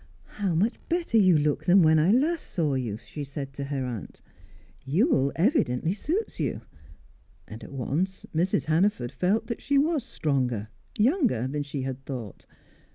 "How much better you look than when I last saw you." she said to her aunt. "Ewell evidently suits you." And at once Mrs. Hannaford felt that she was stronger, younger, than she had thought.